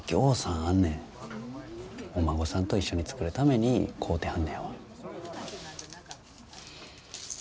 お孫さんと一緒に作るために買うてはんねやわ。